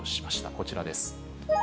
こちらです。